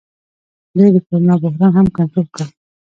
دوی د کرونا بحران هم کنټرول کړ.